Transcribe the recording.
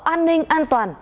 an ninh an toàn